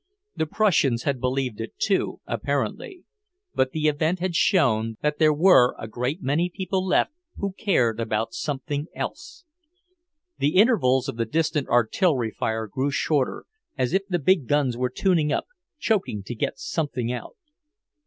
The Prussians had believed it, too, apparently. But the event had shown that there were a great many people left who cared about something else. The intervals of the distant artillery fire grew shorter, as if the big guns were tuning up, choking to get something out.